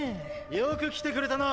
よく来てくれたな。